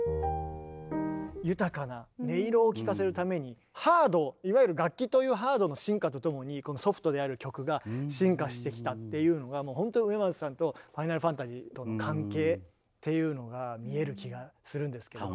豊かな音色を聴かせるためにハードいわゆる楽器というハードの進化とともにソフトである曲が進化してきたっていうのがもうほんと植松さんと「ファイナルファンタジー」との関係っていうのが見える気がするんですけど。